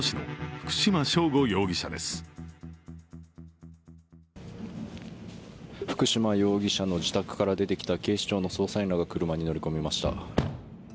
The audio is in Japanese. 福島容疑者の自宅から出てきた警視庁の捜査員らが車に乗り込みました。